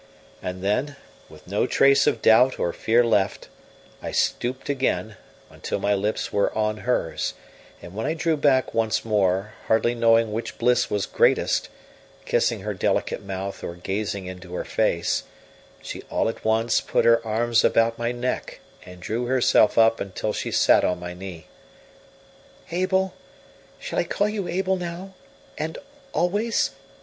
And then, with no trace of doubt or fear left, I stooped again, until my lips were on hers; and when I drew back once more, hardly knowing which bliss was greatest kissing her delicate mouth or gazing into her face she all at once put her arms about my neck and drew herself up until she sat on my knee. "Abel shall I call you Abel now and always?"